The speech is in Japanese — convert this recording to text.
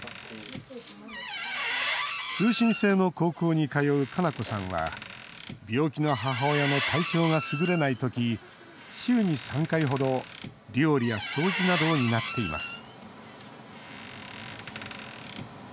通信制の高校に通うかなこさんは病気の母親の体調がすぐれない時週に３回ほど料理や掃除などを担っていますＯＫ！